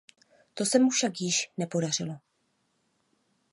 To se mu však již nepodařilo.